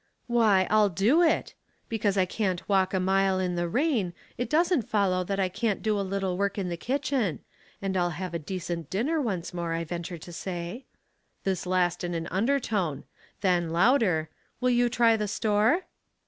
" Why, I'll do it. Because I can't walk a mile in the rain, it doesn't follow that I can't do a little work in the kitchen ; and I'll have a decent dinner once more, I venture to sa}^ ;"— this last in an undertone ; then, louder, " Will you try the store